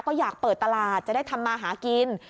ก็อยากเปิดตลาดจะได้ทำมาหากิน